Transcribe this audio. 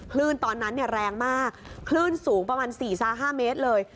คลื่นตอนนั้นแรงมากคลื่นสูงประมาณ๔๕เมตรเลย